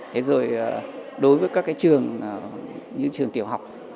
thế rồi đối với các cái trường như trường tiểu học